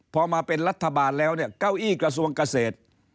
พอมาเป็นรัฐบาลแล้วเนี่ยเก้าอี้กระทรวงเกษตร